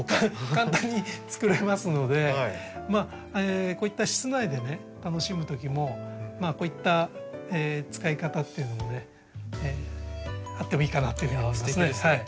簡単に作れますのでこういった室内で楽しむときもこういった使い方っていうのもねあってもいいかなというふうに思いますね。